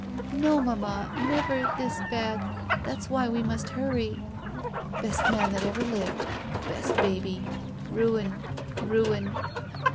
"No, mamma — ^never — ^this bad. That's why we must hurry." "Best man that ever lived. Best baby. Ruin. Ruin."